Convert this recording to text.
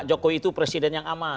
jokowi itu presiden yang aman